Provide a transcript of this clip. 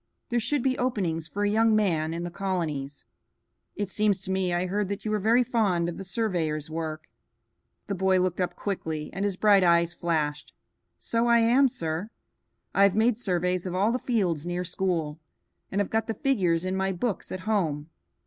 There should be openings for a young man in the colonies. It seems to me I heard that you were very fond of the surveyor's work." The boy looked up quickly, and his bright eyes flashed. "So I am, sir. I have made surveys of all the fields near school, and have got the figures in my books at home.